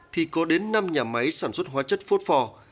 thì có đến năm nhà máy sản xuất hóa chất phốt phò